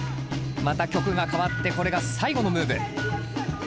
また曲が変わってこれが最後のムーブ。